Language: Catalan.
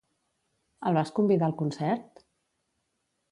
El vas convidar al concert?